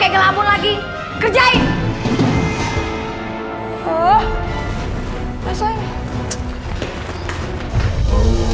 ya berlipat lipat lah